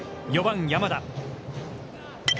４番山田。